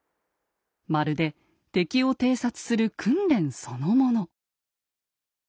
まるで敵を偵察する訓練そのもの。